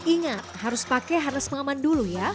ingat harus pakai harnes pengaman dulu ya